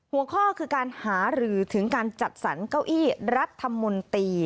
หัวข้อคือการหารือถึงการจัดสรรเก้าอี้รัฐมนตรี